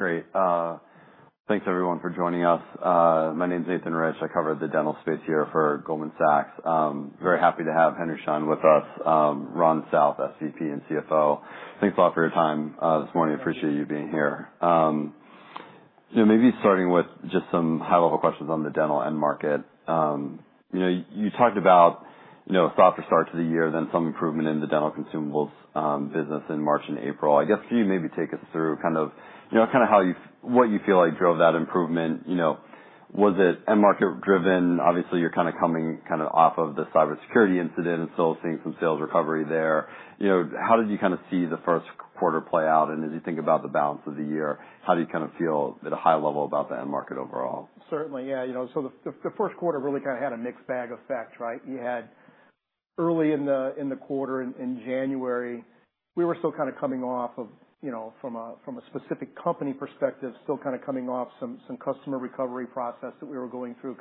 Great. Thanks everyone for joining us. My name's Nathan Rich. I cover the dental space here for Goldman Sachs. Very happy to have Henry Schein with us, Ron South, SVP and CFO. Thanks a lot for your time, this morning. Appreciate you being here. You know, maybe starting with just some high-level questions on the dental end market. You know, you talked about, you know, a softer start to the year, then some improvement in the dental consumables, business in March and April. I guess could you maybe take us through kind of, you know, kind of how you what you feel like drove that improvement? You know, was it end market driven? Obviously, you're kind of coming kind of off of the cybersecurity incident and still seeing some sales recovery there. You know, how did you kind of see the first quarter play out? As you think about the balance of the year, how do you kind of feel at a high level about the end market overall? Certainly, yeah. You know, so the first quarter really kind of had a mixed bag effect, right? You had early in the quarter in January, we were still kind of coming off of, you know, from a specific company perspective, still kind of coming off some customer recovery process that we were going through,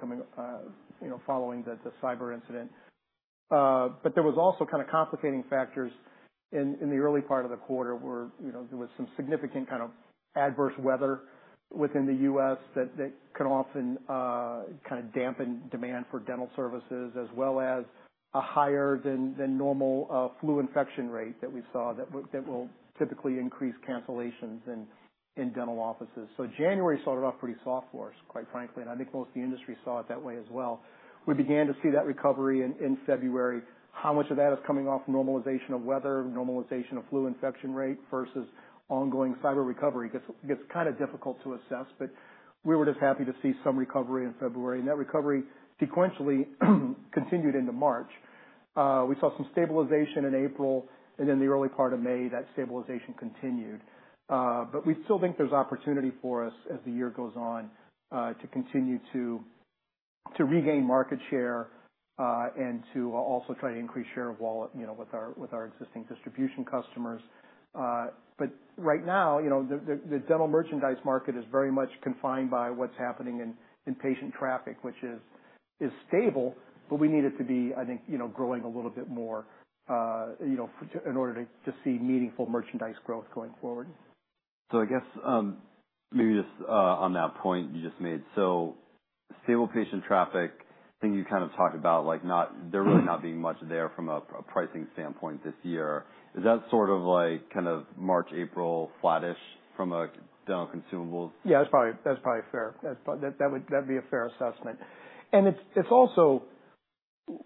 you know, following the cyber incident. But there was also kind of complicating factors in the early part of the quarter where, you know, there was some significant kind of adverse weather within the U.S. that could often kind of dampen demand for dental services as well as a higher than normal flu infection rate that we saw that will typically increase cancellations in dental offices. So January started off pretty soft for us, quite frankly, and I think most of the industry saw it that way as well. We began to see that recovery in February. How much of that is coming off normalization of weather, normalization of flu infection rate versus ongoing cyber recovery? It gets kind of difficult to assess, but we were just happy to see some recovery in February, and that recovery sequentially continued into March. We saw some stabilization in April, and in the early part of May, that stabilization continued. But we still think there's opportunity for us as the year goes on, to continue to regain market share, and to also try to increase share of wallet, you know, with our existing distribution customers. But right now, you know, the dental merchandise market is very much confined by what's happening in patient traffic, which is stable, but we need it to be, I think, you know, in order to see meaningful merchandise growth going forward. So I guess, maybe just, on that point you just made, so stable patient traffic, thing you kind of talked about, like not there really not being much there from a, a pricing standpoint this year. Is that sort of like kind of March, April flattish from a dental consumables? Yeah, that's probably fair. That would be a fair assessment. And it's also, you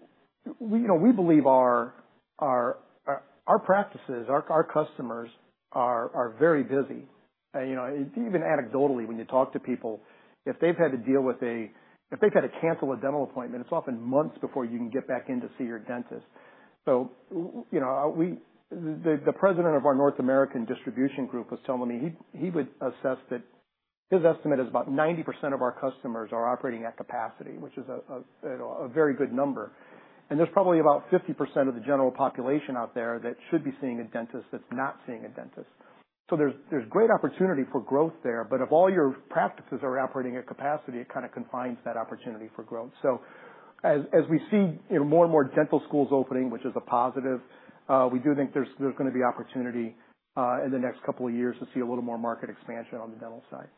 know, we believe our practices, our customers are very busy. And, you know, even anecdotally, when you talk to people, if they've had to cancel a dental appointment, it's often months before you can get back in to see your dentist. So, you know, the president of our North American distribution group was telling me he would assess that his estimate is about 90% of our customers are operating at capacity, which is, you know, a very good number. And there's probably about 50% of the general population out there that should be seeing a dentist that's not seeing a dentist. So there's great opportunity for growth there, but if all your practices are operating at capacity, it kind of confines that opportunity for growth. So as we see, you know, more and more dental schools opening, which is a positive, we do think there's gonna be opportunity, in the next couple of years to see a little more market expansion on the dental side.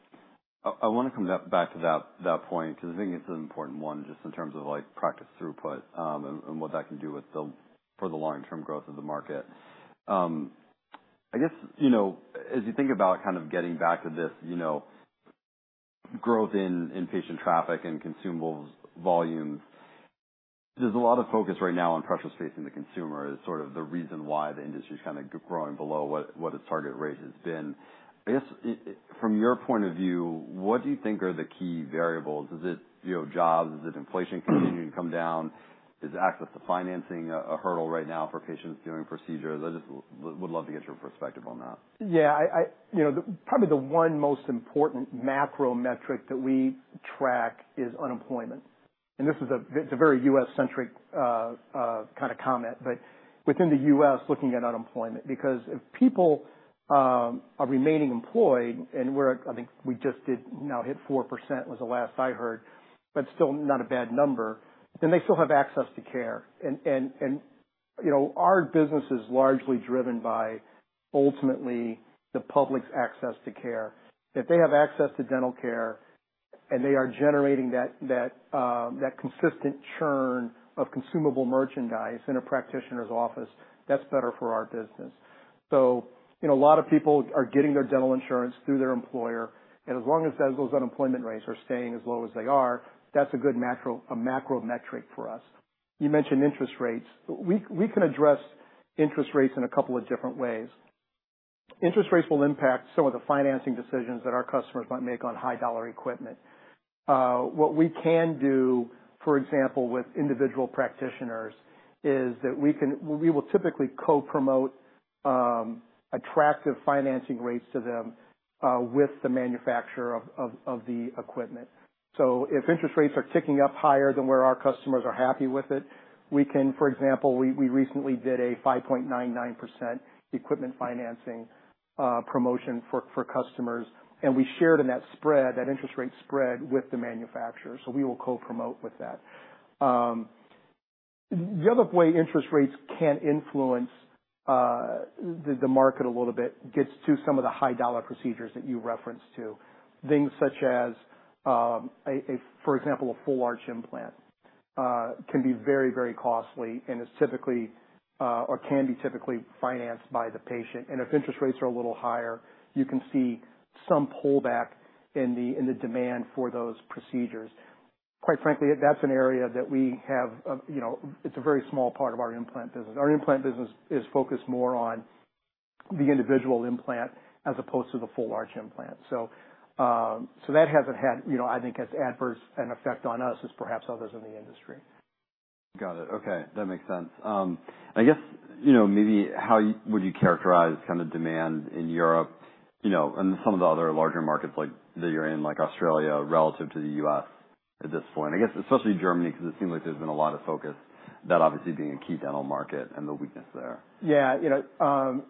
I wanna come back to that point 'cause I think it's an important one just in terms of, like, practice throughput, and what that can do for the long-term growth of the market. I guess, you know, as you think about kind of getting back to this, you know, growth in patient traffic and consumables volumes, there's a lot of focus right now on pressuring the consumer as sort of the reason why the industry's kind of growing below what its target rate has been. I guess, from your point of view, what do you think are the key variables? Is it, you know, jobs? Is it inflation continuing to come down? Is access to financing a hurdle right now for patients doing procedures? I just would love to get your perspective on that. Yeah, you know, probably the one most important macro metric that we track is unemployment. And this is, it's a very U.S.-centric kind of comment, but within the U.S., looking at unemployment, because if people are remaining employed and we're at, I think we just now hit 4% was the last I heard, but still not a bad number, then they still have access to care. You know, our business is largely driven by ultimately the public's access to care. If they have access to dental care and they are generating that consistent churn of consumable merchandise in a practitioner's office, that's better for our business. So, you know, a lot of people are getting their dental insurance through their employer, and as long as those unemployment rates are staying as low as they are, that's a good macro metric for us. You mentioned interest rates. We can address interest rates in a couple of different ways. Interest rates will impact some of the financing decisions that our customers might make on high-dollar equipment. What we can do, for example, with individual practitioners is that we will typically co-promote attractive financing rates to them with the manufacturer of the equipment. So if interest rates are ticking up higher than where our customers are happy with it, we can, for example, we recently did a 5.99% equipment financing promotion for customers, and we shared in that interest rate spread with the manufacturer. So we will co-promote with that. The other way interest rates can influence the market a little bit gets to some of the high-dollar procedures that you referenced to. Things such as, for example, a full arch implant, can be very, very costly and is typically, or can be typically, financed by the patient. And if interest rates are a little higher, you can see some pullback in the demand for those procedures. Quite frankly, that's an area that we have, you know, it's a very small part of our implant business. Our implant business is focused more on the individual implant as opposed to the full arch implant. So that hasn't had, you know, I think has adverse an effect on us as perhaps others in the industry. Got it. Okay. That makes sense. I guess, you know, maybe how would you characterize kind of demand in Europe, you know, and some of the other larger markets like that you're in, like Australia, relative to the U.S. at this point? I guess especially Germany 'cause it seems like there's been a lot of focus, that obviously being a key dental market and the weakness there. Yeah, you know,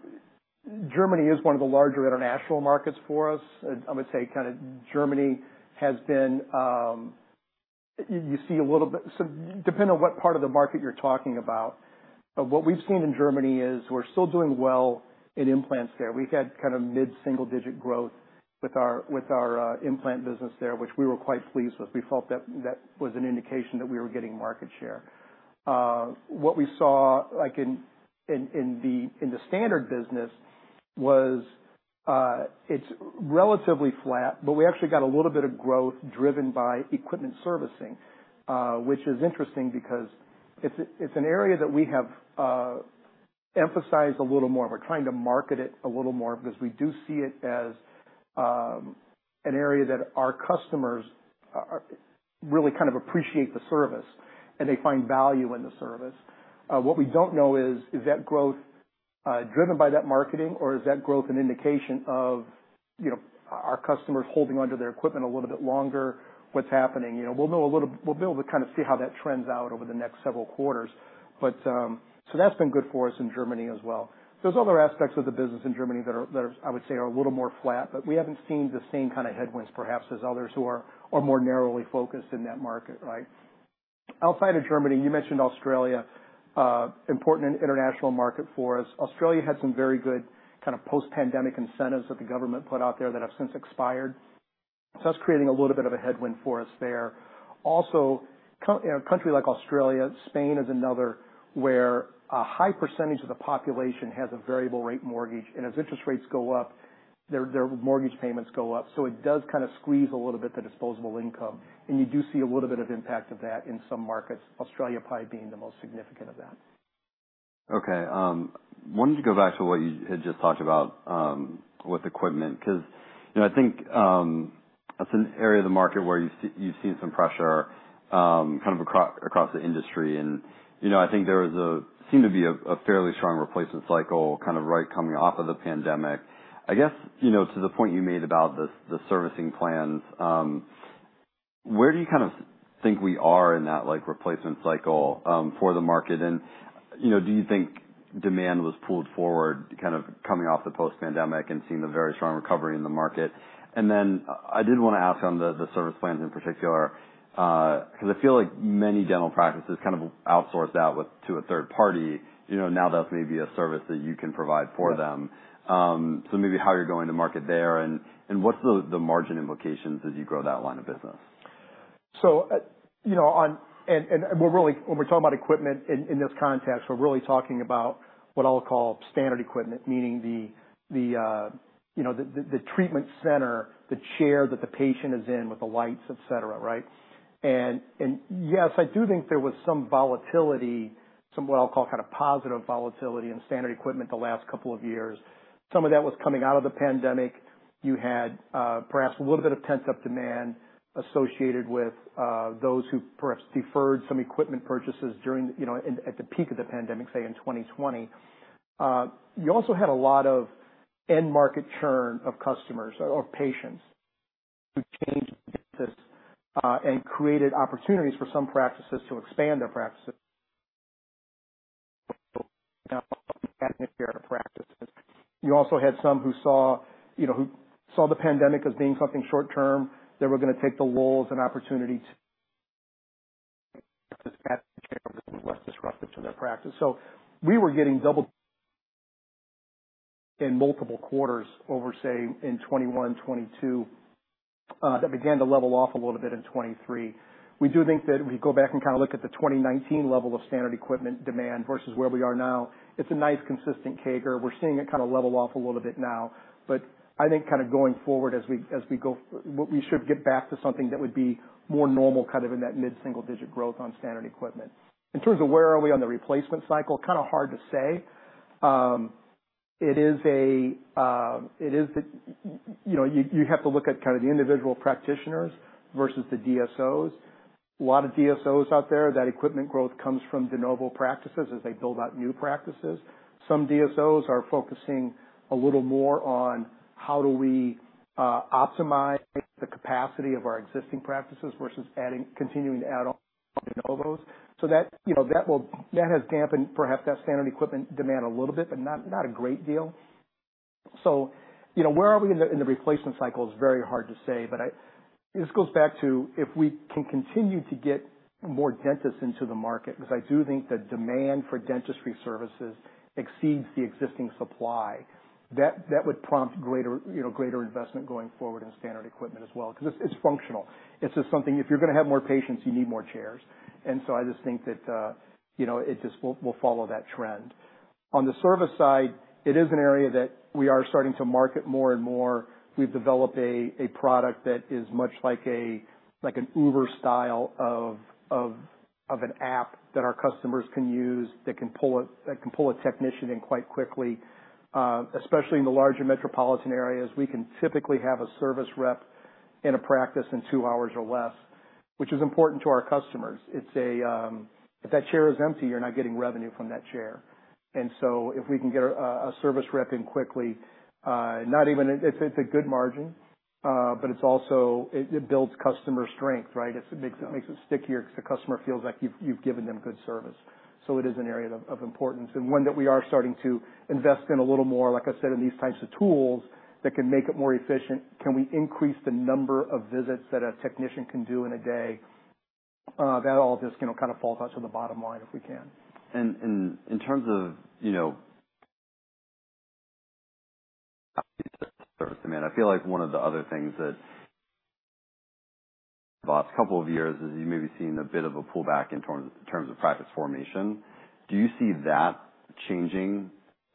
Germany is one of the larger international markets for us. I would say kind of Germany has been. You see a little bit so depending on what part of the market you're talking about. But what we've seen in Germany is we're still doing well in implants there. We had kind of mid-single-digit growth with our implant business there, which we were quite pleased with. We felt that was an indication that we were getting market share. What we saw, like, in the standard business was, it's relatively flat, but we actually got a little bit of growth driven by equipment servicing, which is interesting because it's an area that we have emphasized a little more. We're trying to market it a little more because we do see it as an area that our customers really kind of appreciate the service and they find value in the service. What we don't know is, is that growth driven by that marketing, or is that growth an indication of, you know, our customers holding onto their equipment a little bit longer? What's happening? You know, we'll know a little we'll be able to kind of see how that trends out over the next several quarters. So that's been good for us in Germany as well. There's other aspects of the business in Germany that are, I would say, a little more flat, but we haven't seen the same kind of headwinds perhaps as others who are more narrowly focused in that market, right? Outside of Germany, you mentioned Australia, important in international market for us. Australia had some very good kind of post-pandemic incentives that the government put out there that have since expired. So that's creating a little bit of a headwind for us there. Also, a country like Australia, Spain is another where a high percentage of the population has a variable rate mortgage, and as interest rates go up, their mortgage payments go up. So it does kind of squeeze a little bit the disposable income, and you do see a little bit of impact of that in some markets, Australia probably being the most significant of that. Okay. Wanted to go back to what you had just talked about, with equipment 'cause, you know, I think that's an area of the market where you've seen some pressure, kind of across the industry. And, you know, I think there seemed to be a fairly strong replacement cycle kind of right coming off of the pandemic. I guess, you know, to the point you made about this, the servicing plans, where do you kind of think we are in that, like, replacement cycle for the market? And, you know, do you think demand was pulled forward kind of coming off the post-pandemic and seeing the very strong recovery in the market? And then I did wanna ask on the service plans in particular, 'cause I feel like many dental practices kind of outsourced out to a third party, you know, now that's maybe a service that you can provide for them. So maybe how you're going to market there and what's the margin implications as you grow that line of business? So, you know, and we're really, when we're talking about equipment in this context, we're really talking about what I'll call standard equipment, meaning the, you know, the treatment center, the chair that the patient is in with the lights, etc., right? And yes, I do think there was some volatility, some what I'll call kind of positive volatility in standard equipment the last couple of years. Some of that was coming out of the pandemic. You had perhaps a little bit of pent-up demand associated with those who perhaps deferred some equipment purchases during, you know, in at the peak of the pandemic, say, in 2020. You also had a lot of end-market churn of customers or patients who changed business, and created opportunities for some practices to expand their practices. You also had some who saw, you know, who saw the pandemic as being something short-term. They were gonna take the lulls and opportunity to add a chair that was less disruptive to their practice. So we were getting double in multiple quarters over, say, in 2021, 2022, that began to level off a little bit in 2023. We do think that if we go back and kind of look at the 2019 level of standard equipment demand versus where we are now, it's a nice consistent CAGR. We're seeing it kind of level off a little bit now, but I think kind of going forward as we go forward what we should get back to something that would be more normal kind of in that mid-single-digit growth on standard equipment. In terms of where are we on the replacement cycle, kind of hard to say. It is, you know, you have to look at kind of the individual practitioners versus the DSOs. A lot of DSOs out there, that equipment growth comes from de novo practices as they build out new practices. Some DSOs are focusing a little more on how do we optimize the capacity of our existing practices versus adding, continuing to add on de novos. So that, you know, that has dampened perhaps that standard equipment demand a little bit, but not a great deal. So, you know, where are we in the replacement cycle is very hard to say, but this goes back to if we can continue to get more dentists into the market 'cause I do think the demand for dentistry services exceeds the existing supply, that would prompt greater, you know, greater investment going forward in standard equipment as well 'cause it's functional. It's just something if you're gonna have more patients, you need more chairs. And so I just think that, you know, it just will follow that trend. On the service side, it is an area that we are starting to market more and more. We've developed a product that is much like an Uber style of app that our customers can use that can pull a technician in quite quickly, especially in the larger metropolitan areas. We can typically have a service rep in a practice in 2 hours or less, which is important to our customers. If that chair is empty, you're not getting revenue from that chair. And so if we can get a service rep in quickly, not even it's a good margin, but it's also it builds customer strength, right? It makes it stickier 'cause the customer feels like you've given them good service. So it is an area of importance and one that we are starting to invest in a little more. Like I said, in these types of tools that can make it more efficient, can we increase the number of visits that a technician can do in a day? That all just, you know, kind of falls out to the bottom line if we can. In terms of, you know, service demand? I feel like one of the other things that the last couple of years is you may be seeing a bit of a pullback in terms of practice formation. Do you see that changing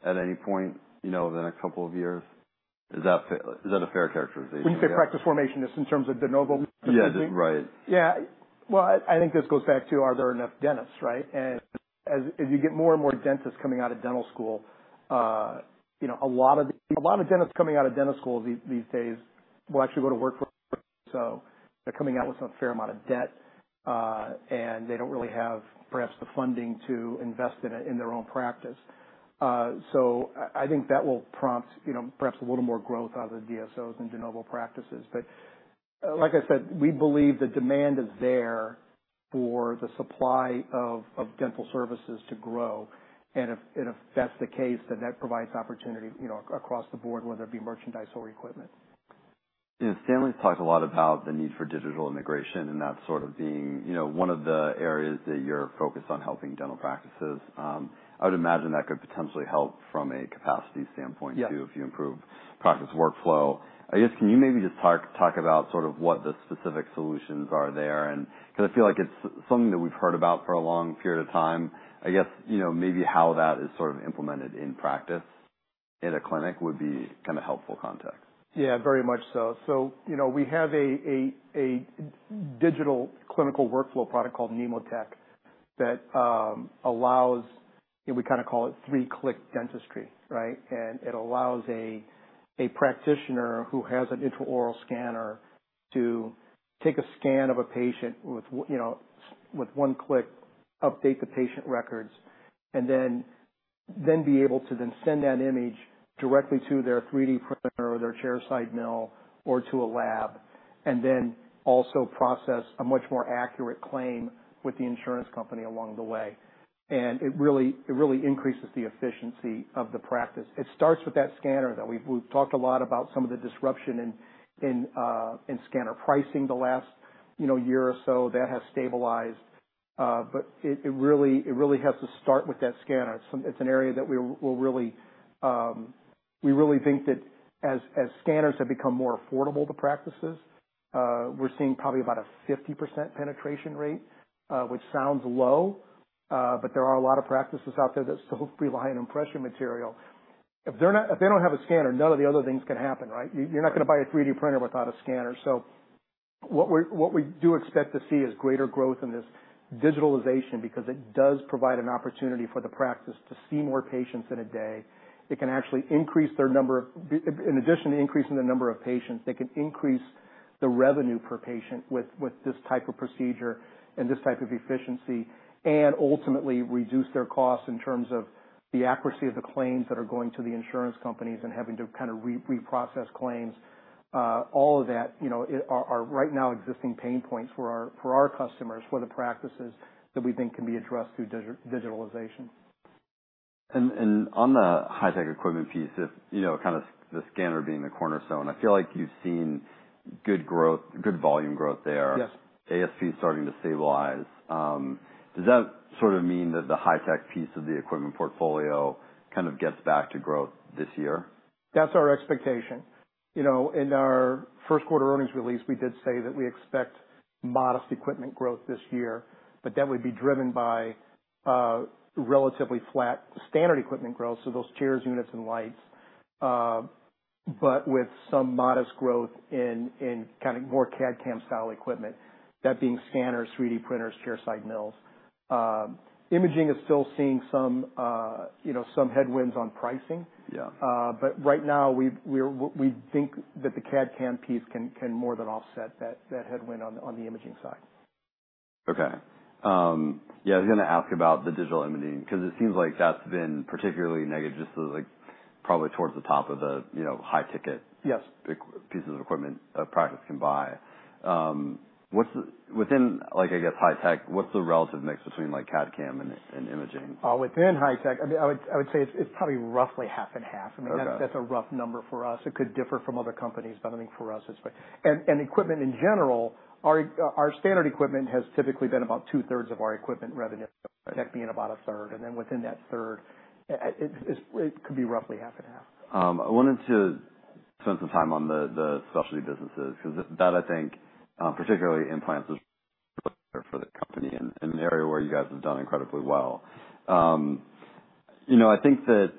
at any point, you know, in the next couple of years? Is that a fair characterization? When you say practice formation, it's in terms of de novo? Yeah, right. Yeah. Well, I think this goes back to are there enough dentists, right? And as you get more and more dentists coming out of dental school, you know, a lot of dentists coming out of dental school these days will actually go to work for DSO. They're coming out with a fair amount of debt, and they don't really have perhaps the funding to invest in it in their own practice. So I think that will prompt, you know, perhaps a little more growth out of the DSOs and de novo practices. But, like I said, we believe the demand is there for the supply of dental services to grow. And if that's the case, then that provides opportunity, you know, across the board, whether it be merchandise or equipment. You know, Stanley's talked a lot about the need for digital transformation and that sort of being, you know, one of the areas that you're focused on helping dental practices. I would imagine that could potentially help from a capacity standpoint too if you improve practice workflow. I guess, can you maybe just talk, talk about sort of what the specific solutions are there? And 'cause I feel like it's something that we've heard about for a long period of time. I guess, you know, maybe how that is sort of implemented in practice in a clinic would be kind of helpful context. Yeah, very much so. So, you know, we have a digital clinical workflow product called Nemotec that allows you know, we kind of call it three-click dentistry, right? And it allows a practitioner who has an intraoral scanner to take a scan of a patient with, you know, with one click, update the patient records, and then be able to send that image directly to their 3D printer or their chairside mill or to a lab, and then also process a much more accurate claim with the insurance company along the way. And it really increases the efficiency of the practice. It starts with that scanner though. We've talked a lot about some of the disruption in scanner pricing the last, you know, year or so. That has stabilized. But it really has to start with that scanner. It's an area that we're really, we really think that as scanners have become more affordable to practices, we're seeing probably about a 50% penetration rate, which sounds low, but there are a lot of practices out there that still rely on impression material. If they don't have a scanner, none of the other things can happen, right? You're not gonna buy a 3D printer without a scanner. So what we do expect to see is greater growth in this digitalization because it does provide an opportunity for the practice to see more patients in a day. It can actually increase their number of, in addition to increasing the number of patients, they can increase the revenue per patient with, with this type of procedure and this type of efficiency and ultimately reduce their costs in terms of the accuracy of the claims that are going to the insurance companies and having to kind of reprocess claims. All of that, you know, are right now existing pain points for our customers, for the practices that we think can be addressed through digitalization. And on the high-tech equipment piece, if, you know, kind of the scanner being the cornerstone, I feel like you've seen good growth, good volume growth there. Yes. ASP starting to stabilize. Does that sort of mean that the high-tech piece of the equipment portfolio kind of gets back to growth this year? That's our expectation. You know, in our first quarter earnings release, we did say that we expect modest equipment growth this year, but that would be driven by relatively flat standard equipment growth. So those chairs, units, and lights, but with some modest growth in kind of more CAD/CAM style equipment, that being scanners, 3D printers, chairside mills. Imaging is still seeing some, you know, some headwinds on pricing. Yeah. But right now, we think that the CAD/CAM piece can more than offset that headwind on the imaging side. Okay. Yeah, I was gonna ask about the digital imaging 'cause it seems like that's been particularly negative just to, like, probably towards the top of the, you know, high-ticket. Yes. Equipment pieces of equipment a practice can buy. What's the within, like, I guess, high-tech, what's the relative mix between, like, CAD/CAM and imaging? within high-tech, I mean, I would say it's probably roughly half and half. I mean, that's. Okay. That's a rough number for us. It could differ from other companies, but I think for us, it's right. And equipment in general, our standard equipment has typically been about two-thirds of our equipment revenue. Right. Tech being about a third. And then within that third, it could be roughly half and half. I wanted to spend some time on the specialty businesses 'cause that I think, particularly, implants, is really for the company and an area where you guys have done incredibly well. You know, I think that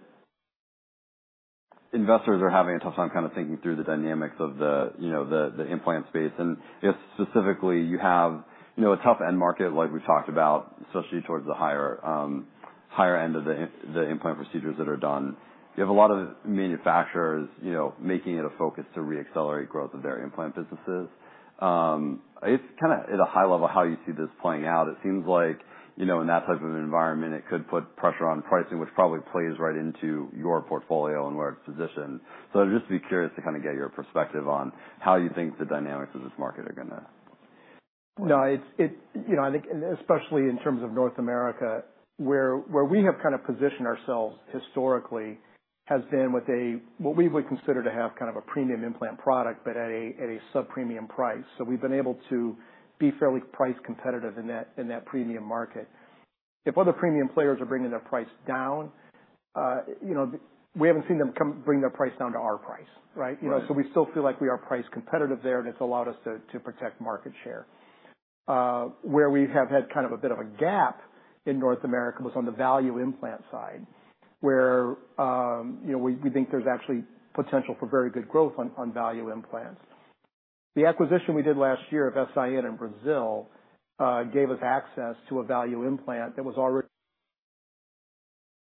investors are having a tough time kind of thinking through the dynamics of the, you know, the implant space. And I guess specifically, you have, you know, a tough end market like we've talked about, especially towards the higher end of the implant procedures that are done. You have a lot of manufacturers, you know, making it a focus to re-accelerate growth of their implant businesses. I guess kind of at a high level, how you see this playing out. It seems like, you know, in that type of environment, it could put pressure on pricing, which probably plays right into your portfolio and where it's positioned. I'd just be curious to kind of get your perspective on how you think the dynamics of this market are gonna. No, it's, you know, I think, and especially in terms of North America, where we have kind of positioned ourselves historically has been with a what we would consider to have kind of a premium implant product, but at a sub-premium price. So we've been able to be fairly price competitive in that premium market. If other premium players are bringing their price down, you know, we haven't seen them bring their price down to our price, right? Right. You know, so we still feel like we are price competitive there, and it's allowed us to protect market share. Where we have had kind of a bit of a gap in North America was on the value implant side, where, you know, we think there's actually potential for very good growth on value implants. The acquisition we did last year of S.I.N. in Brazil gave us access to a value implant that was already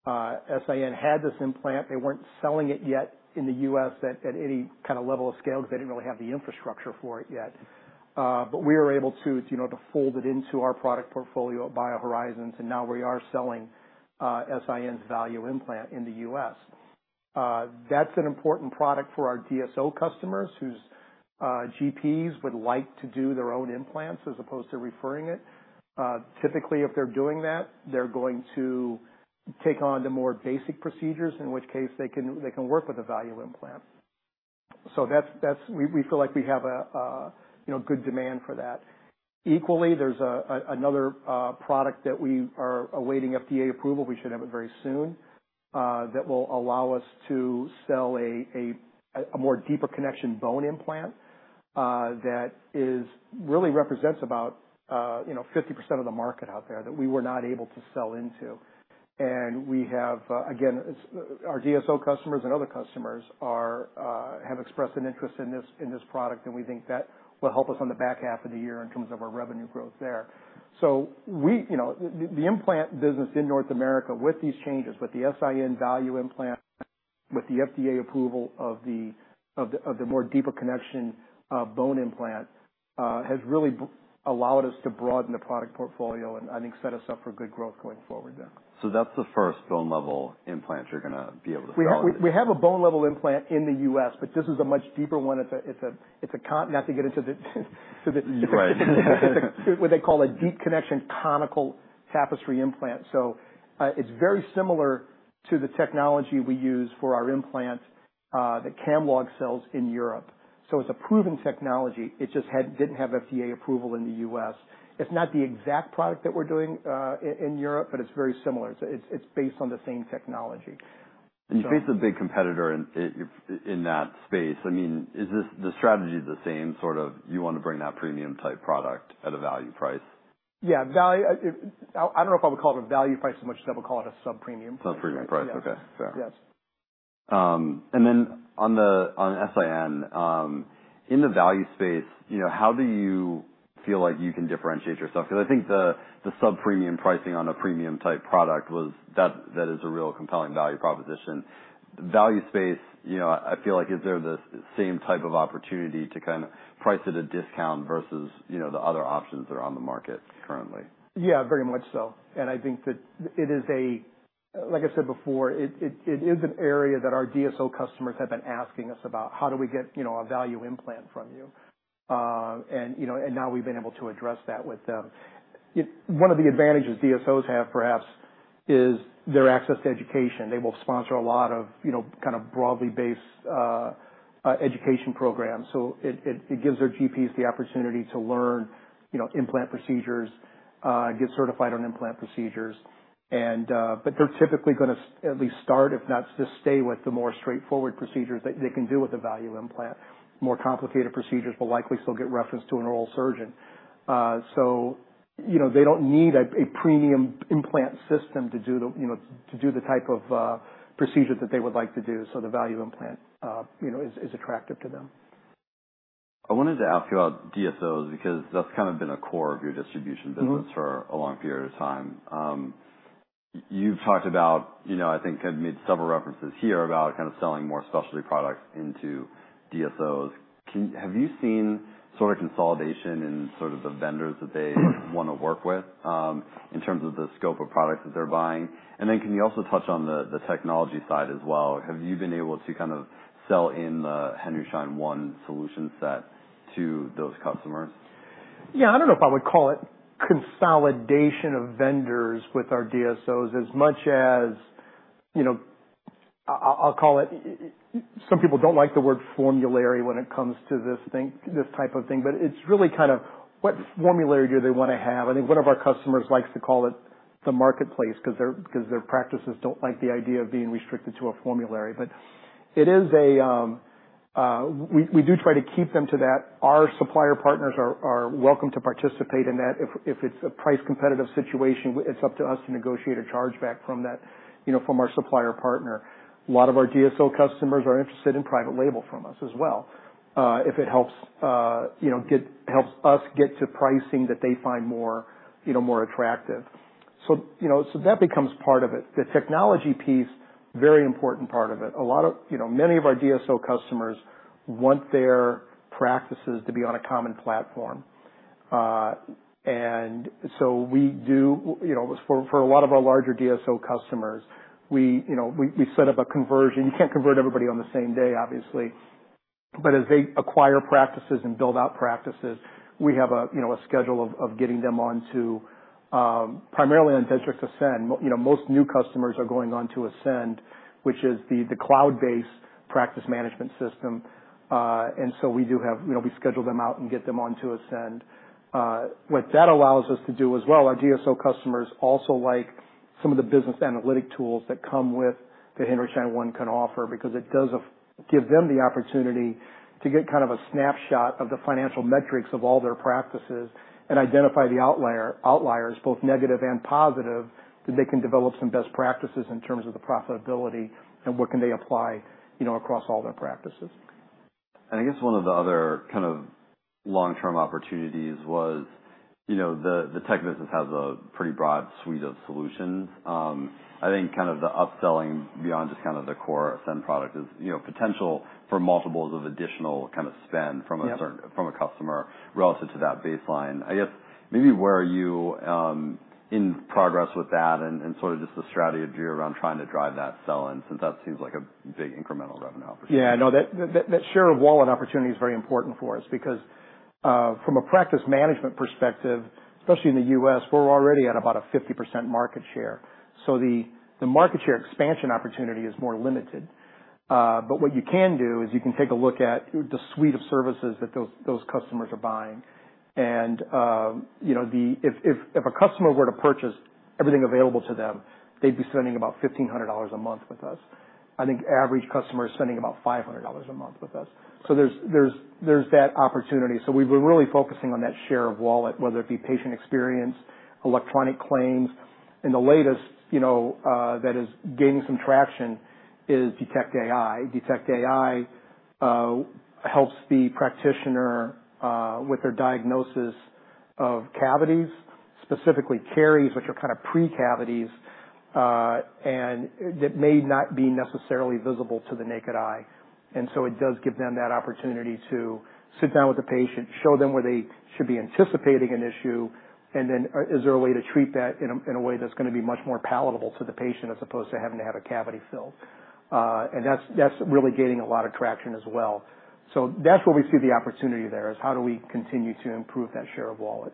S.I.N. had this implant. They weren't selling it yet in the U.S. at any kind of level of scale 'cause they didn't really have the infrastructure for it yet. But we were able to, you know, to fold it into our product portfolio at BioHorizons, and now we are selling S.I.N.'s value implant in the U.S. That's an important product for our DSO customers whose GPs would like to do their own implants as opposed to referring it. Typically, if they're doing that, they're going to take on the more basic procedures, in which case they can work with a value implant. So that's, we feel like we have a, you know, good demand for that. Equally, there's another product that we are awaiting FDA approval. We should have it very soon, that will allow us to sell a more deeper connection bone implant, that really represents about, you know, 50% of the market out there that we were not able to sell into. We have, again, it's our DSO customers and other customers have expressed an interest in this product, and we think that will help us on the back half of the year in terms of our revenue growth there. So we, you know, the implant business in North America with these changes, with the S.I.N. value implant, with the FDA approval of the more deeper connection bone implant, has really allowed us to broaden the product portfolio and, I think, set us up for good growth going forward there. That's the first bone-level implant you're gonna be able to sell? We have a bone-level implant in the U.S., but this is a much deeper one. It's a con not to get into the to the. Right. It's a what they call a deep connection conical tapered implant. So, it's very similar to the technology we use for our implant, the Camlog sells in Europe. So it's a proven technology. It just didn't have FDA approval in the U.S. It's not the exact product that we're doing in Europe, but it's very similar. It's based on the same technology. You face a big competitor in, in that space. I mean, is this the strategy the same, sort of you want to bring that premium-type product at a value price? Yeah, value. I don't know if I would call it a value price as much as I would call it a sub-premium price. Sub-premium price. Okay. Fair. Yes. And then on the S.I.N., in the value space, you know, how do you feel like you can differentiate yourself? 'Cause I think the, the sub-premium pricing on a premium-type product, that is a real compelling value proposition. Value space, you know, I feel like is there the same type of opportunity to kind of price at a discount versus, you know, the other options that are on the market currently? Yeah, very much so. And I think that it is, like I said before, it is an area that our DSO customers have been asking us about. How do we get, you know, a value implant from you? And, you know, now we've been able to address that with them. You know, one of the advantages DSOs have perhaps is their access to education. They will sponsor a lot of, you know, kind of broadly based, education programs. So it gives their GPs the opportunity to learn, you know, implant procedures, get certified on implant procedures. But they're typically gonna at least start, if not just stay with the more straightforward procedures that they can do with a value implant. More complicated procedures will likely still get referenced to an oral surgeon. You know, they don't need a premium implant system to do the, you know, to do the type of procedure that they would like to do. So the value implant, you know, is attractive to them. I wanted to ask you about DSOs because that's kind of been a core of your distribution business for a long period of time. You've talked about, you know, I think I've made several references here about kind of selling more specialty products into DSOs. Have you seen sort of consolidation in sort of the vendors that they wanna work with, in terms of the scope of products that they're buying? Then can you also touch on the technology side as well? Have you been able to kind of sell in the Henry Schein One solution set to those customers? Yeah, I don't know if I would call it consolidation of vendors with our DSOs as much as, you know, I'll, I'll call it some people don't like the word formulary when it comes to this thing this type of thing, but it's really kind of what formulary do they wanna have? I think one of our customers likes to call it the marketplace 'cause their 'cause their practices don't like the idea of being restricted to a formulary. But it is a, we, we do try to keep them to that. Our supplier partners are, are welcome to participate in that. If, if it's a price competitive situation, it's up to us to negotiate a chargeback from that, you know, from our supplier partner. A lot of our DSO customers are interested in private label from us as well, if it helps, you know, helps us get to pricing that they find more, you know, more attractive. So, you know, so that becomes part of it. The technology piece, very important part of it. A lot of, you know, many of our DSO customers want their practices to be on a common platform. And so we do, you know, for a lot of our larger DSO customers, we, you know, set up a conversion. You can't convert everybody on the same day, obviously. But as they acquire practices and build out practices, we have a, you know, a schedule of getting them onto, primarily on Dentrix Ascend. You know, most new customers are going on to Ascend, which is the cloud-based practice management system. And so we do have, you know, we schedule them out and get them onto Ascend. What that allows us to do as well, our DSO customers also like some of the business analytic tools that come with the Henry Schein One can offer because it does give them the opportunity to get kind of a snapshot of the financial metrics of all their practices and identify the outliers, both negative and positive, that they can develop some best practices in terms of the profitability and what can they apply, you know, across all their practices. I guess one of the other kind of long-term opportunities was, you know, the tech business has a pretty broad suite of solutions. I think kind of the upselling beyond just kind of the core Ascend product is, you know, potential for multiples of additional kind of spend from a certain. Yes. From a customer relative to that baseline. I guess maybe where are you in progress with that and, and sort of just the strategy of you around trying to drive that sell-in since that seems like a big incremental revenue opportunity? Yeah, no, that share of wallet opportunity is very important for us because, from a practice management perspective, especially in the U.S., we're already at about a 50% market share. So the market share expansion opportunity is more limited. But what you can do is you can take a look at the suite of services that those customers are buying. And, you know, if a customer were to purchase everything available to them, they'd be spending about $1,500 a month with us. I think average customer is spending about $500 a month with us. So there's that opportunity. So we've been really focusing on that share of wallet, whether it be patient experience, electronic claims. And the latest, you know, that is gaining some traction is Detect AI. Detect AI helps the practitioner with their diagnosis of cavities, specifically caries, which are kind of pre-cavities, and that may not be necessarily visible to the naked eye. And so it does give them that opportunity to sit down with the patient, show them where they should be anticipating an issue, and then, is there a way to treat that in a way that's gonna be much more palatable to the patient as opposed to having to have a cavity filled. And that's really gaining a lot of traction as well. So that's where we see the opportunity there is how do we continue to improve that share of wallet.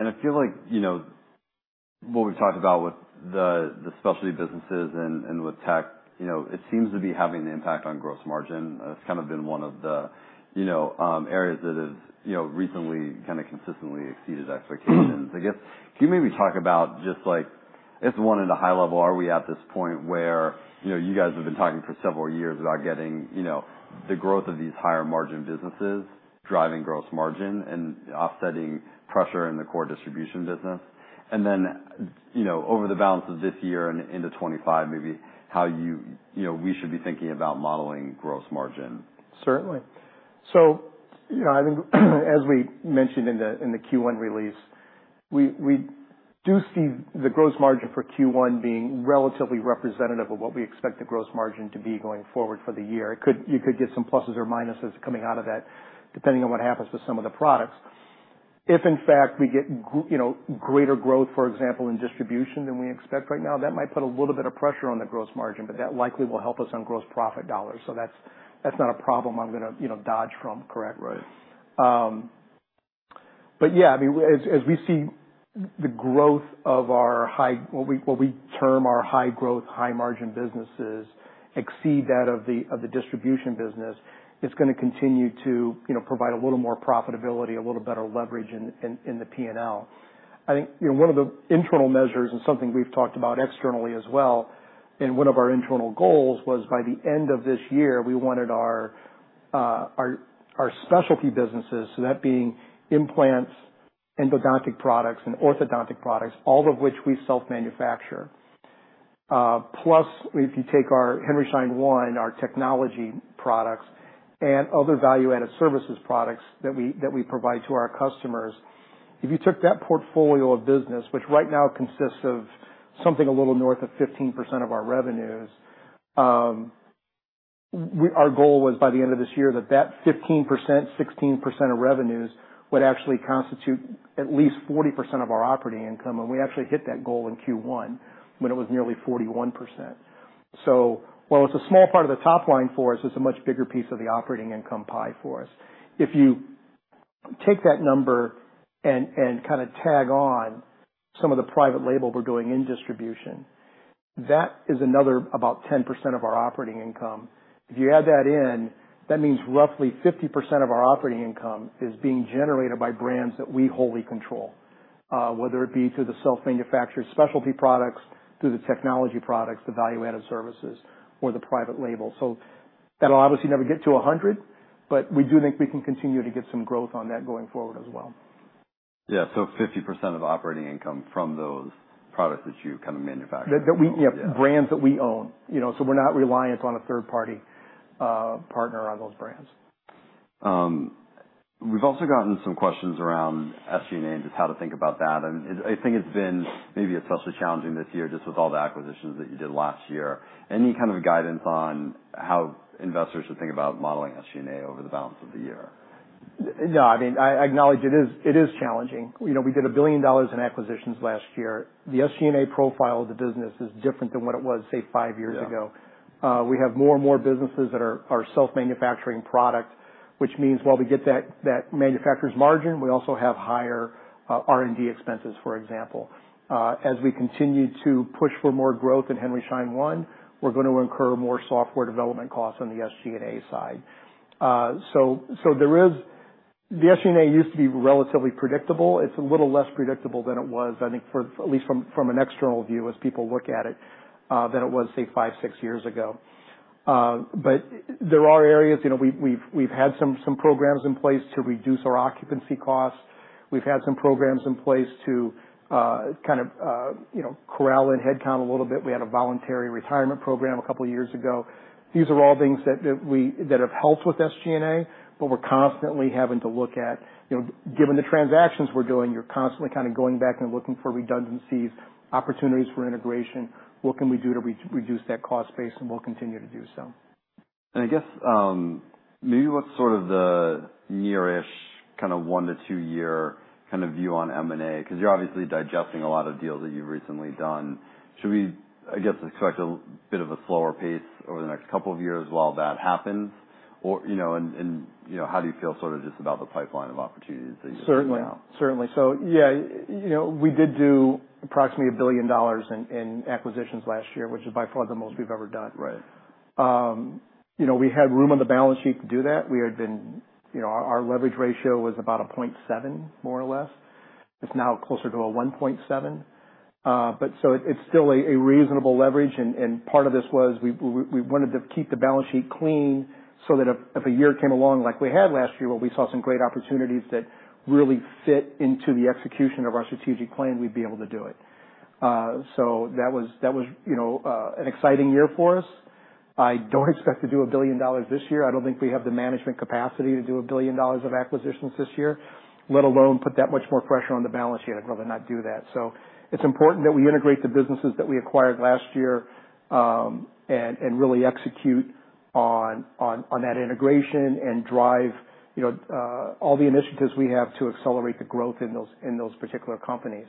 I feel like, you know, what we've talked about with the, the specialty businesses and, and with tech, you know, it seems to be having an impact on gross margin. It's kind of been one of the, you know, areas that have, you know, recently kind of consistently exceeded expectations. I guess can you maybe talk about just like, I guess one at a high level, are we at this point where, you know, you guys have been talking for several years about getting, you know, the growth of these higher margin businesses driving gross margin and offsetting pressure in the core distribution business? And then, you know, over the balance of this year and into 2025, maybe how you, you know, we should be thinking about modeling gross margin. Certainly. So, you know, I think as we mentioned in the Q1 release, we do see the gross margin for Q1 being relatively representative of what we expect the gross margin to be going forward for the year. It could get some pluses or minuses coming out of that depending on what happens with some of the products. If in fact we get, you know, greater growth, for example, in distribution than we expect right now, that might put a little bit of pressure on the gross margin, but that likely will help us on gross profit dollars. So that's not a problem I'm gonna, you know, dodge from, correct? Right. But yeah, I mean, as we see the growth of our high what we term our high growth, high margin businesses exceed that of the distribution business, it's gonna continue to, you know, provide a little more profitability, a little better leverage in the P&L. I think, you know, one of the internal measures and something we've talked about externally as well, and one of our internal goals was by the end of this year, we wanted our specialty businesses, so that being implants, endodontic products, and orthodontic products, all of which we self-manufacture. Plus, if you take our Henry Schein One, our technology products, and other value-added services products that we provide to our customers, if you took that portfolio of business, which right now consists of something a little north of 15% of our revenues, our goal was by the end of this year that 15%-16% of revenues would actually constitute at least 40% of our operating income. We actually hit that goal in Q1 when it was nearly 41%. So while it's a small part of the top line for us, it's a much bigger piece of the operating income pie for us. If you take that number and kind of tag on some of the private label we're doing in distribution, that is another about 10% of our operating income. If you add that in, that means roughly 50% of our operating income is being generated by brands that we wholly control, whether it be through the self-manufactured specialty products, through the technology products, the value-added services, or the private label. So that'll obviously never get to 100, but we do think we can continue to get some growth on that going forward as well. Yeah, so 50% of operating income from those products that you kind of manufacture. That we, brands that we own, you know, so we're not reliant on a third-party partner on those brands. We've also gotten some questions around SG&A and just how to think about that. I think it's been maybe especially challenging this year just with all the acquisitions that you did last year. Any kind of guidance on how investors should think about modeling SG&A over the balance of the year? No, I mean, I acknowledge it is challenging. You know, we did $1 billion in acquisitions last year. The SG&A profile of the business is different than what it was, say, five years ago. Yeah. We have more and more businesses that are self-manufacturing product, which means while we get that manufacturer's margin, we also have higher R&D expenses, for example. As we continue to push for more growth in Henry Schein One, we're gonna incur more software development costs on the SG&A side. So the SG&A used to be relatively predictable. It's a little less predictable than it was, I think, at least from an external view as people look at it, than it was, say, 5, 6 years ago. But there are areas, you know, we've had some programs in place to reduce our occupancy costs. We've had some programs in place to, kind of, you know, corral in headcount a little bit. We had a voluntary retirement program a couple of years ago. These are all things that we have helped with SG&A, but we're constantly having to look at, you know, given the transactions we're doing, you're constantly kind of going back and looking for redundancies, opportunities for integration. What can we do to reduce that cost base? We'll continue to do so. I guess, maybe what's sort of the nearish kind of 1- to 2-year kind of view on M&A? 'Cause you're obviously digesting a lot of deals that you've recently done. Should we, I guess, expect a bit of a slower pace over the next couple of years while that happens? Or, you know, how do you feel sort of just about the pipeline of opportunities that you're looking at? Certainly. Certainly. So yeah, you know, we did do approximately $1 billion in acquisitions last year, which is by far the most we've ever done. Right. You know, we had room on the balance sheet to do that. We had been, you know, our, our leverage ratio was about a 0.7, more or less. It's now closer to a 1.7. But so it's still a reasonable leverage. And part of this was we wanted to keep the balance sheet clean so that if a year came along like we had last year where we saw some great opportunities that really fit into the execution of our strategic plan, we'd be able to do it. So that was, you know, an exciting year for us. I don't expect to do $1 billion this year. I don't think we have the management capacity to do $1 billion of acquisitions this year, let alone put that much more pressure on the balance sheet. I'd rather not do that. So it's important that we integrate the businesses that we acquired last year, and really execute on that integration and drive, you know, all the initiatives we have to accelerate the growth in those particular companies.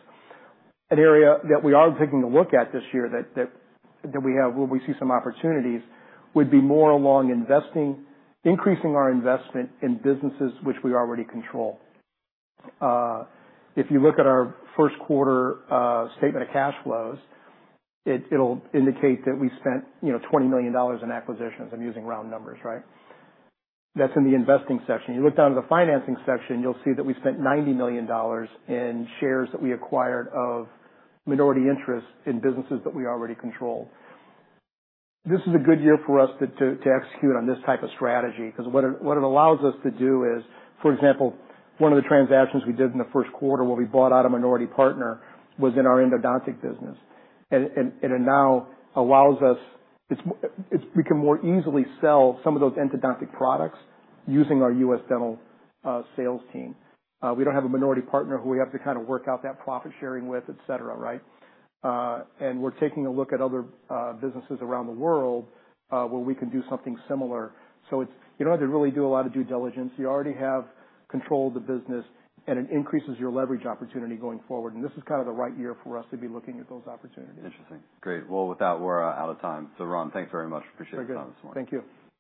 An area that we are taking a look at this year that we have where we see some opportunities would be more along investing, increasing our investment in businesses which we already control. If you look at our first quarter statement of cash flows, it'll indicate that we spent, you know, $20 million in acquisitions. I'm using round numbers, right? That's in the investing section. You look down to the financing section, you'll see that we spent $90 million in shares that we acquired of minority interest in businesses that we already control. This is a good year for us to execute on this type of strategy 'cause what it allows us to do is, for example, one of the transactions we did in the first quarter where we bought out a minority partner was in our endodontic business. And it now allows us it's we can more easily sell some of those endodontic products using our U.S. dental sales team. We don't have a minority partner who we have to kind of work out that profit sharing with, etc., right? And we're taking a look at other businesses around the world, where we can do something similar. So it's you don't have to really do a lot of due diligence. You already have control of the business, and it increases your leverage opportunity going forward. This is kind of the right year for us to be looking at those opportunities. Interesting. Great. Well, with that, we're out of time. So, Ron, thanks very much. Appreciate your time this morning. Very good. Thank you.